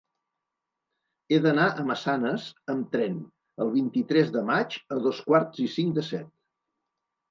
He d'anar a Massanes amb tren el vint-i-tres de maig a dos quarts i cinc de set.